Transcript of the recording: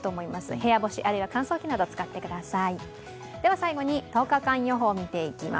部屋干し、あるいは乾燥機使ってください。